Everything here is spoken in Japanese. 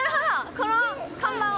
この看板を！